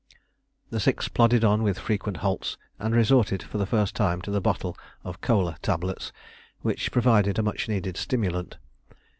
The six plodded on with frequent halts, and resorted for the first time to the bottle of "Kola" tablets, which provided a much needed stimulant.